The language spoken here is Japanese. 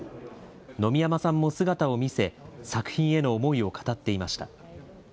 野見山さんも姿を見せ、作品への思いを語っていました。